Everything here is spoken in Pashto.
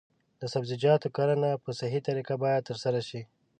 د سبزیجاتو کرنه په صحي طریقه باید ترسره شي.